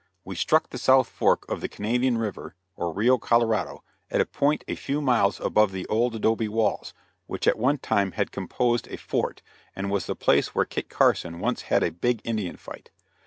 We struck the south fork of the Canadian River, or Rio Colorado, at a point a few miles above the old adobe walls, which at one time had composed a fort, and was the place where Kit Carson once had a big Indian fight.